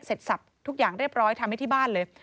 สับทุกอย่างเรียบร้อยทำให้ที่บ้านเลย